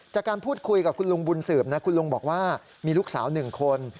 จากการพูดคุยกับคุณลุงบุญสืบนะคุณลุงบอกว่ามีลูกสาว๑คน